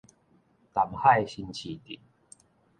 淡海新市鎮